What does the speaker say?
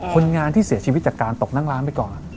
คนงานที่เสียชีวิตจากการตกนั่งร้านไปก่อน